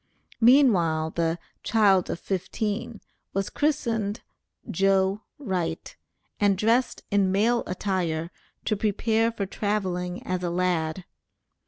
Meanwhile, the "child of fifteen" was christened "Joe Wright," and dressed in male attire to prepare for traveling as a lad.